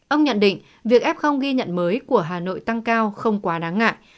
ông nhận định việc f ghi nhận mới của hà nội tăng cao không quá đáng ngại